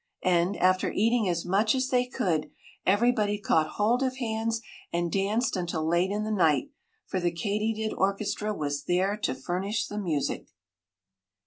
And, after eating as much as they could, everybody caught hold of hands and danced until late in the night, for the Katydid orchestra was there to furnish the music.